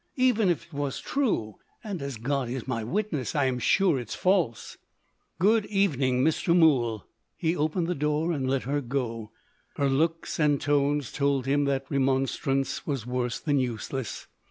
Even if it was true; and, as God is my witness, I am sure it's false " "Good evening, Mr. Mool!" He opened the door, and let her go; her looks and tones told him that remonstrance was worse than useless.